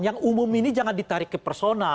yang umum ini jangan ditarik ke personal